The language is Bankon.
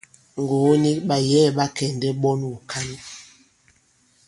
Ŋgògo nik, ɓàyɛ̌ɛ̀ ɓa kɛ̀ndɛ̀ ɓɔn wùkǎn.